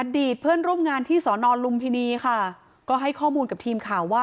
เพื่อนร่วมงานที่สอนอนลุมพินีค่ะก็ให้ข้อมูลกับทีมข่าวว่า